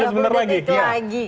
sudah benar lagi